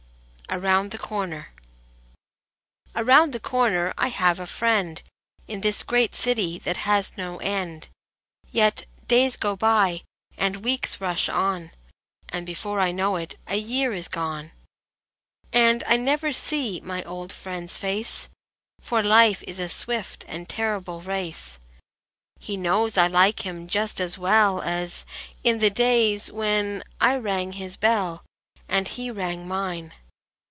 AROUND THE CORNER AROUND the corner I have a friend, In this great city that has no end; Yet days go by, and weeks rush on, And before I know it a year is gone, And I never see my old friend s face, For Life is a swift and terrible race. He knows I like him just as well As in the days when I rang his bell And he rang mine.